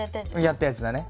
やったやつだね